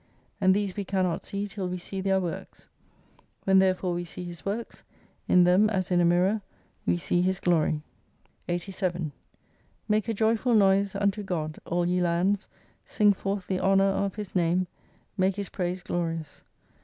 And these we cannot see till we see their works. When therefore we see His works, in them as in a mirror we see His glory 87 Make a Joyful noise unto God, all ye lands, sing forth tlie honour of His name, make His praise glorious.